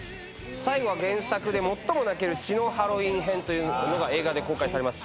最後は原作で最も泣ける『血のハロウィン編』というものが映画で公開されます。